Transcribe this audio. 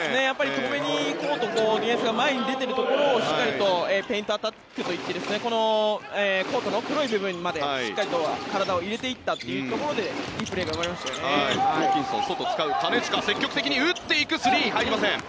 止めに行こうとディフェンスが前に出ているところをしっかりとペイントアタックといってこのコートの黒い部分にまでしっかりと体を入れていったところでホーキンソン、外を使う金近、積極的に打っていくスリー、入りません。